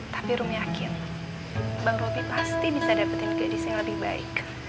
tapi rum yakin bang roby pasti bisa dapetin gadis yang lebih baik